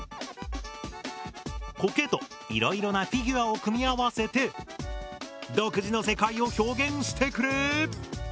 コケといろいろなフィギュアを組み合わせて独自の世界を表現してくれ！